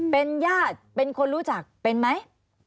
เป็นญาติเป็นคนรู้จักเป็นไหม